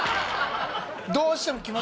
どうしても。